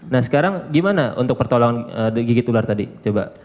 nah sekarang gimana untuk pertolongan digigit ular tadi coba